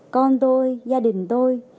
con tôi gia đình tôi